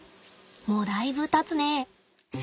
もうだいぶたつね。